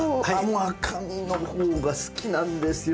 赤身のほうが好きなんですよ